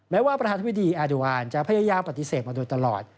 แม้ว่าประธานธิบดีแอดุวานจะพยายามปฏิเสธมาโดยตลอด